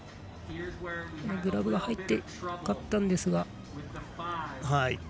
グラブが入ってよかったんですが。